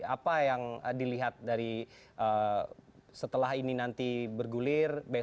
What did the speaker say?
apa yang dilihat dari setelah ini nanti bergulir